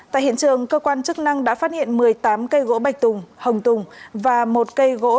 tại hiện trường cơ quan chức năng đã phát hiện một mươi tám cây gỗ bạch tùng hồng tùng và một cây gỗ